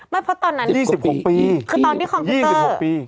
ไม่เพราะตอนนั้น๒๖ปีคือ๒๖ปี